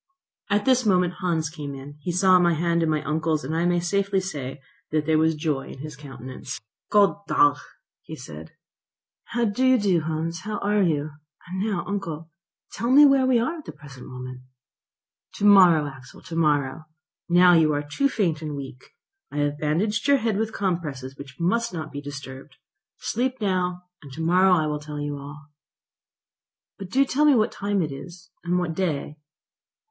At this moment Hans came, he saw my hand in my uncle's, and I may safely say that there was joy in his countenance. "God dag," said he. "How do you do, Hans? How are you? And now, uncle, tell me where we are at the present moment?" "To morrow, Axel, to morrow. Now you are too faint and weak. I have bandaged your head with compresses which must not be disturbed. Sleep now, and to morrow I will tell you all." "But do tell me what time it is, and what day."